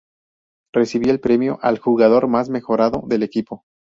Recibió el premio al "jugador más mejorado" del equipo.